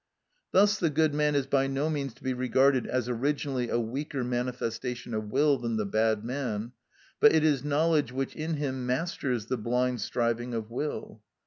Thus the good man is by no means to be regarded as originally a weaker manifestation of will than the bad man, but it is knowledge which in him masters the blind striving of will.